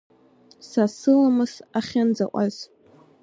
Са сыламыс ахьынӡаҟаз…